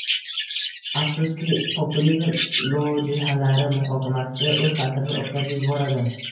Afsuski, populizm lojihalari muxokamasiga o'z ta'sirini o'tkazib yuboradi...